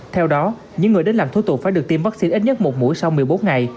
theo đó những người đến làm thủ tục phải được tiêm vaccine ít nhất một mũi sau một mươi bốn ngày